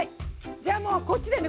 じゃあもうこっちでね